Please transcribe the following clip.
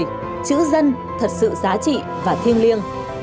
chủ tịch chữ dân thật sự giá trị và thiêng liêng